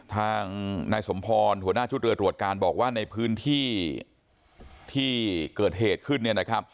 ทางนายสมพรหัวหน้าชุดเรือตรวจการบอกว่าในพื้นที่เกิดเหตุขึ้น